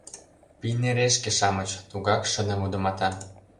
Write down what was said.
— Пийнерешке-шамыч... — тугак шыдын вудымата.